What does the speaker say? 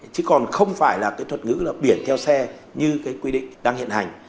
chứ còn không phải là cái thuật ngữ là biển theo xe như cái quy định đang hiện hành